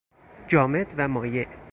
جامد و مایع